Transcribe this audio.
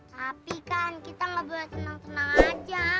tapi kan kita nggak boleh tenang tenang aja